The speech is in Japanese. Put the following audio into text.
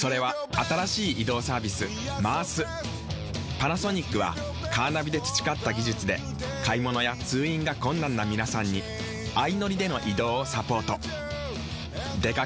パナソニックはカーナビで培った技術で買物や通院が困難な皆さんに相乗りでの移動をサポート。